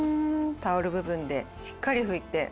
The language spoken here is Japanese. タオル部分でしっかり拭いて。